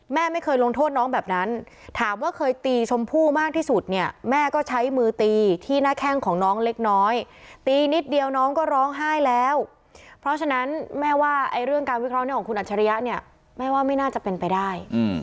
แม่ไม่เคยลงโทษน้องแบบนั้นถามว่าเคยตีชมพู่มากที่สุดเนี่ยแม่ก็ใช้มือตีที่หน้าแข้งของน้องเล็กน้อยตีนิดเดียวน้องก็ร้องไห้แล้วเพราะฉะนั้นแม่ว่าเรื่องการวิเคราะห์นี้ของคุณอัจฉริยะเนี่ยแม่ว่าไม่น่าจะเป็นไปได้